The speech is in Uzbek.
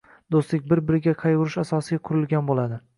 Doʻstlik, bir-biriga qaygʻurish asosiga qurilgan boʻladi.